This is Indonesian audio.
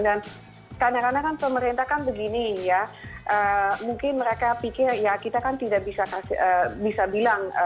dan kadang kadang kan pemerintah kan begini ya mungkin mereka pikir ya kita kan tidak bisa bilang